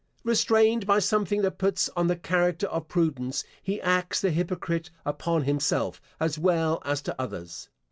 Restrained by something that puts on the character of prudence, he acts the hypocrite upon himself as well as to others.